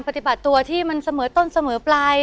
ปฏิบัติตัวที่มันเสมอต้นเสมอปลาย